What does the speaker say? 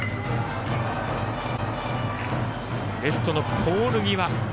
レフトのポール際。